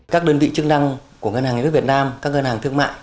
các đơn vị chức năng của ngân hàng nhà nước việt nam các ngân hàng thương mại